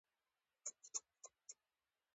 دا بدلون د تدریس له امله دی.